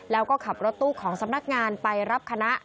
แล้วก็ขับรถตู้ของสำนักงานไปรับคณะ